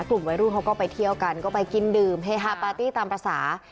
กลุ่มวัยรุ่นเขาก็ไปเที่ยวกันก็ไปกินดื่มเฮฮาปาร์ตี้ตามภาษา